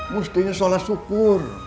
mestinya sholat syukur